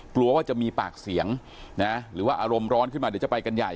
กลัวว่าจะมีปากเสียงนะหรือว่าอารมณ์ร้อนขึ้นมาเดี๋ยวจะไปกันใหญ่